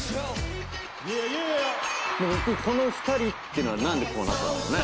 この２人っていうのは何でこうなったんだろうね。